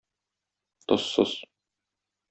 Тозсыз.